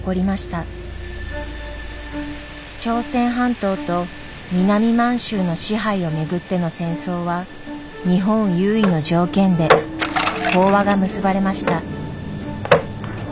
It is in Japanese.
朝鮮半島と南満州の支配を巡っての戦争は日本優位の条件で講和が結ばれました。